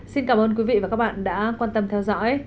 xin cảm ơn quý vị và các bạn đã quan tâm theo dõi